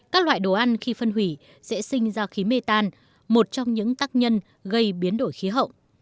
các loại đồ ăn khi phân hủy sẽ sinh ra khí mê tan một trong những tác nhân gây biến đổi khí hậu